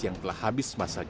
yang telah habis masa jabatannya